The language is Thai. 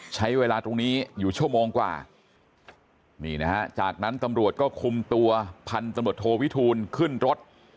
ใช้เวลาตรงนี้อยู่ชั่วโมงกว่านี่นะฮะจากนั้นตำรวจก็คุมตัวพันธุ์ตำรวจโทวิทูลขึ้นรถ